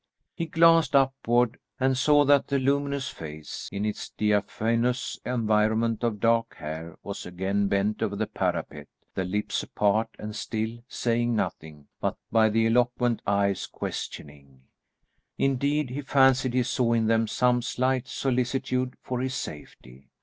He glanced upward, and saw that the luminous face, in its diaphanous environment of dark hair was again bent over the parapet, the lips apart and still, saying nothing, but the eloquent eyes questioning; indeed he fancied he saw in them some slight solicitude for his safety.